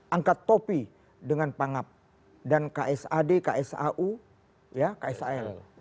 angkat topi dengan pangap dan ksad ksau ksal